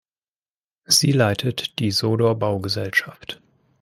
Sie leitet die Sodor Baugesellschaft.